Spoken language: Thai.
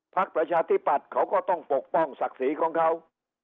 ประชาธิปัตย์เขาก็ต้องปกป้องศักดิ์ศรีของเขา